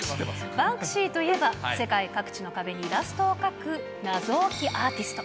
バンクシーといえば、世界各地の壁にイラストを描く謎多きアーティスト。